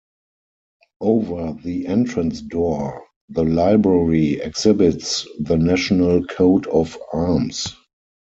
Over the entrance door, the library exhibits the national coat of arms.